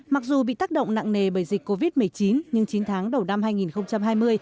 mặc dù bị tác động nặng nề bởi dịch covid một mươi chín nhưng chín tháng đầu năm hai nghìn hai mươi